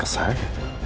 pada apa ya